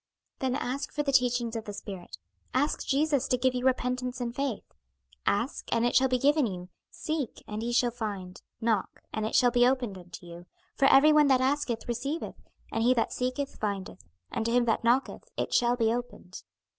"Then ask for the teachings of the Spirit; ask Jesus to give you repentance and faith. 'Ask, and it shall be given you; seek, and ye shall find; knock, and it shall be opened unto you; for every one that asketh receiveth; and he that seeketh, findeth; and to him that knocketh, it shall be opened."